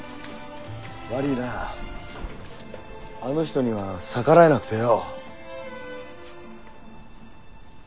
悪いなあの人には逆らえなくてよ。